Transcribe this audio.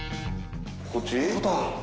こっち？